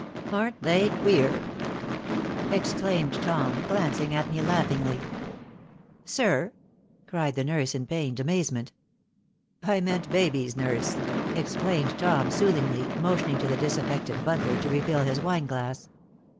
"Aren't they queer?" exclaimed Tom, glancing at me, laughingly. "Sir?" cried the nurse in pained amazement. "I meant babies, nurse," explained Tom, soothingly, motioning to the disaffected butler to refill his wine glass.